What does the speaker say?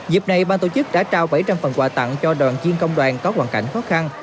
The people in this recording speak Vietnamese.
dịp này ban tổ chức đã trao bảy trăm linh phần quà tặng cho đoàn chuyên công đoàn có hoàn cảnh khó khăn